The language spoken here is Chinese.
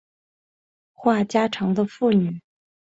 话家常的妇女